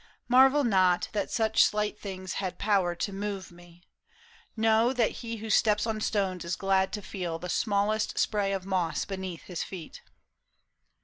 Marvel not That such slight things had power to move me ; knovv^ That he who steps on stones is glad to feel The smallest spray of moss beneath his feet.